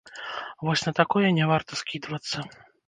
Вось на такое не варта скідвацца.